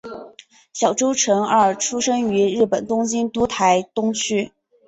小川诚二出生于日本东京都台东区。